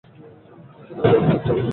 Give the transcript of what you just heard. কিছু না বলে চুপচাপ শুয়ে পড়।